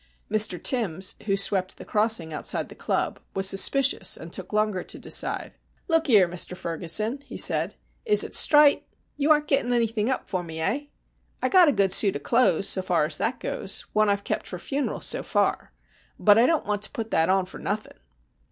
Mr Timbs, who swept the crossing outside the club, was suspicious and took longer to decide. "Look 'ere, Mr Ferguson," he said, "is it strite? You aren't gettin' anythin' up for me, eh? I've got a good suit o' clothes, so far as that goes; one I've kept for funerals, so far. But I don't want to put that on for nothing.